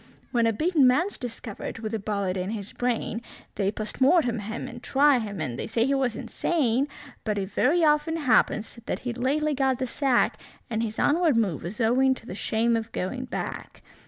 When a beaten man's discovered with a bullet in his brain, They POST MORTEM him, and try him, and they say he was insane; But it very often happens that he'd lately got the sack, And his onward move was owing to the shame of going back.